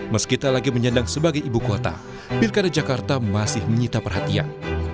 meskita lagi menyandang sebagai ibu kota pilkada jakarta masih menyita perhatian